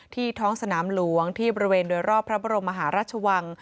ท้องสนามหลวงที่บริเวณโดยรอบพระบรมมหาราชวัง